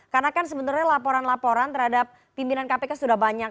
karena kan sebenarnya laporan laporan terhadap pimpinan kpk sudah banyak